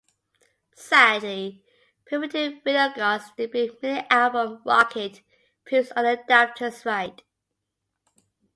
Sadly, Primitive Radio Gods' debut mini-album, "Rocket", proves those doubters right.